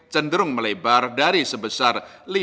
cenderung melebar dari sebesar